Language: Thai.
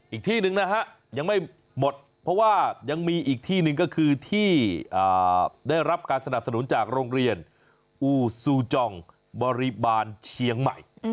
อีกที่หนึ่งนะฮะยังไม่หมดเพราะว่ายังมีอีกที่หนึ่งก็คือที่ได้รับการสนับสนุนจากโรงเรียนอูซูจองบริบาลเชียงใหม่